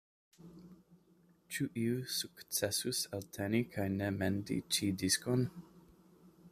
Ĉu iu sukcesus elteni kaj ne mendi ĉi diskon?